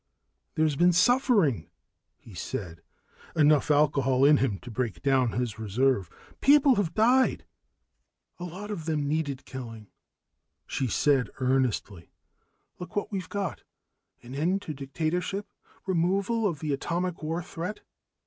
"There's been suffering," he said, enough alcohol in him to break down his reserve. "People have died." "A lot of them needed killing," she said earnestly. "Look what we've got. An end to dictatorship. Removal of the atomic war threat.